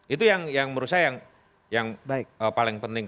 itu yang menurut saya yang paling penting